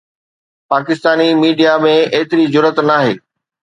Pakistani media ۾ ايتري جرئت ناهي